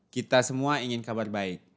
kita semua ingin kabar baik